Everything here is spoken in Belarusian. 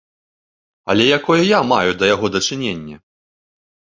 Але якое я маю да яго дачыненне?